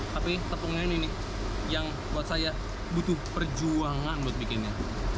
tapi tepungnya ini nih yang buat saya butuh perjuangan buat bikinnya